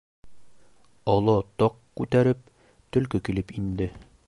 Оло тоҡ ҡүтәреп төлкө килеп инде.